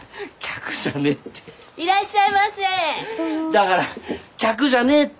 だから客じゃねえって！